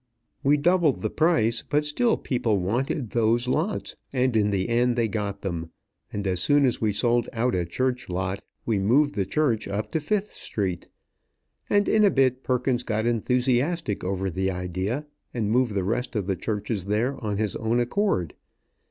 We doubled the price, but still people wanted those lots, and in the end they got them; and as soon as we sold out a church lot, we moved the church up to Fifth Street, and in a bit Perkins got enthusiastic over the idea, and moved the rest of the churches there on his own accord.